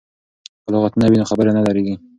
که لغتونه وي نو خبرې نه دریږي.